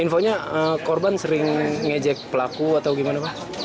infonya korban sering ngejek pelaku atau gimana pak